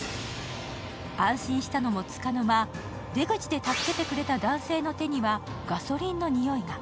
安心したのもつかの間、出口で助けてくれた男性の手にはガソリンの匂いが。